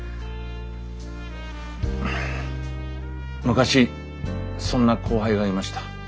昔そんな後輩がいました。